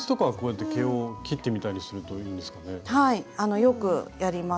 よくやります